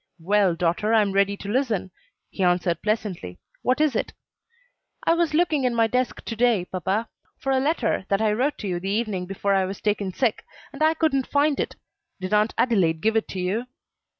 "Well, daughter, I am ready to listen," he answered pleasantly; "what is it?" "I was looking in my desk to day, papa, for a letter that I wrote to you the evening before I was taken sick, and I couldn't find it. Did Aunt Adelaide give it to you?"